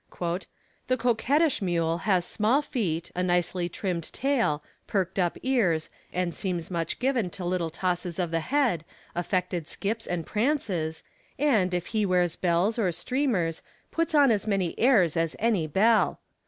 "The coquettish mule has small feet, a nicely trimmed tail, perked up ears, and seems much given to little tosses of the head, affected skips and prances, and, if he wears bells or streamers, puts on as many airs as any belle.